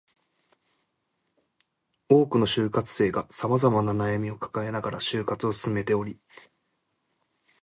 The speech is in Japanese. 多くの就活生が様々な悩みを抱えながら就活を進めており